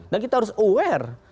dan kita harus aware